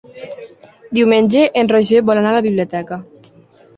Diumenge en Roger vol anar a la biblioteca.